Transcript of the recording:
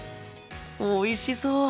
おいしそう！